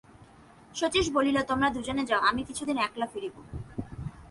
শচীশ বলিল, তোমরা দুজনে যাও, আমি কিছুদিন একলা ফিরিব।